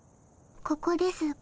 ここです。